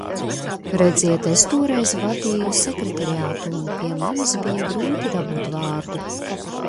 Redziet, es toreiz vadīju Sekretariātu un pie manis bija grūti dabūt vārdu.